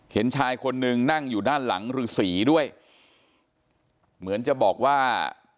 เห็นชายคนนึงนั่งอยู่ด้านหลังฤษีด้วยเหมือนจะบอกว่า